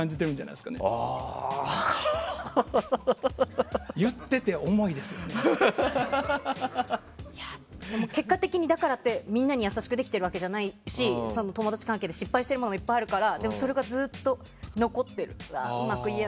だからって、結果的にみんなに優しくできているわけじゃないし友達関係で失敗しているものもあるからでも、それがずっと残ってるな。